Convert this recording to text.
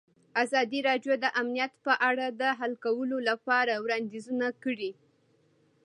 ازادي راډیو د امنیت په اړه د حل کولو لپاره وړاندیزونه کړي.